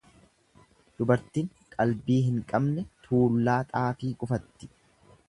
Dubartin qalbii hin qabne tuullaa xaafii gufatti.